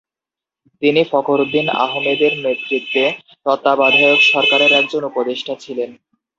তিনি ফখরুদ্দীন আহমদের নেতৃত্বে তত্ত্বাবধায়ক সরকারের একজন উপদেষ্টা ছিলেন।